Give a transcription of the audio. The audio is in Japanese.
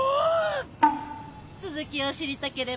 続きを知りたければこれに。